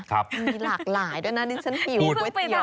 มีหลากหลายด้วยนะดิฉันหิวก๋วยเตี๋ยว